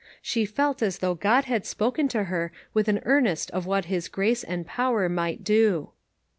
• She felt as though God had spoken to her with an ear nest of what his grace and power might do.